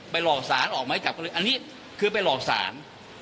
หลอกสารออกไม้จับก็เลยอันนี้คือไปหลอกศาล